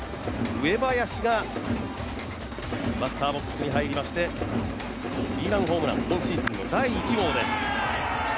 上林がバッターボックスに入りまして、スリーランホームラン、今シーズンの第１号です。